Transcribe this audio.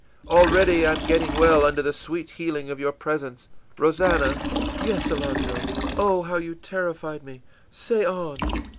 Already I am getting well under the sweet healing of your presence. Rosannah?î ìYes, Alonzo? Oh, how you terrified me! Say on.